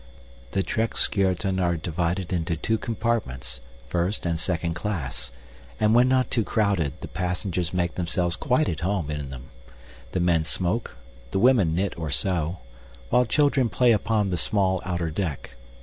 The trekschuiten are divided into two compartments, first and second class, and when not too crowded, the passengers make themselves quite at home in them; the men smoke, the women knit or sew, while children play upon the small outer deck.